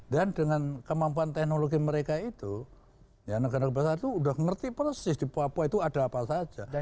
dan dengan kemampuan teknologi mereka itu negara negara besar itu udah ngerti persis di papua itu ada apa saja